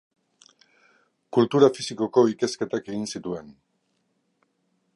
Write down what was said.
Kultura fisikoko ikasketak egin zituen.